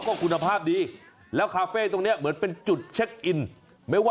จะไปแตะขอบฟ้าอยู่แล้ว